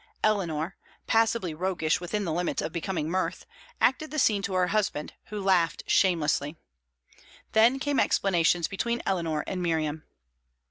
Eleanor passably roguish within the limits of becoming mirth acted the scene to her husband, who laughed shamelessly. Then came explanations between Eleanor and Miriam.